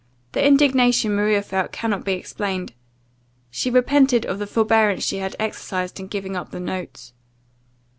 The indignation Maria felt cannot be explained; she repented of the forbearance she had exercised in giving up the notes.